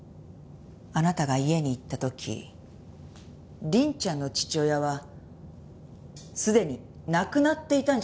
あなたが家に行った時凛ちゃんの父親はすでに亡くなっていたんじゃありませんか？